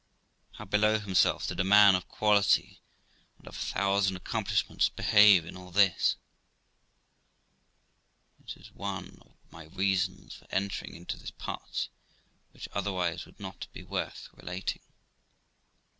How below himself did a man of quality and of a thousand accomplishments behave in all this ! It is one of my reasons for entering into this part, which otherwise would not be worth relating.